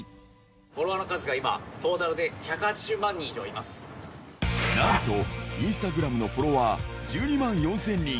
フォロワーの数が今、トータなんと、インスタグラムのフォロワー１２万４０００人。